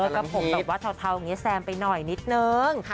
แต่ว่าเทาแซมไปหน่อยนิดนึง